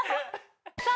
さあ